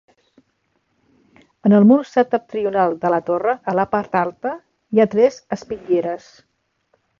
En el mur septentrional de la torre, a la part alta, hi ha tres espitlleres.